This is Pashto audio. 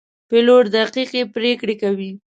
پیلوټ دقیقې پرېکړې کوي.